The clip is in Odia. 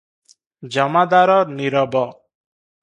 ଜମାଦାର ନୀରବ ।